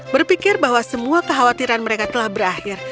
berpikir bahwa semua kekhawatiran mereka telah berakhir